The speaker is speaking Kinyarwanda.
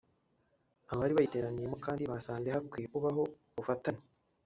Abari bayiteraniyemo kandi basanze hakwiye kubaho ubufatanye